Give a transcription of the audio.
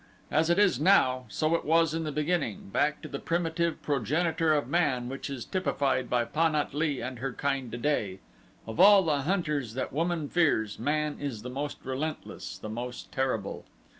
As it is now, so it was in the beginning, back to the primitive progenitor of man which is typified by Pan at lee and her kind today, of all the hunters that woman fears, man is the most relentless, the most terrible.